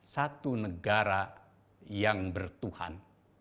satu negara yang bertuhan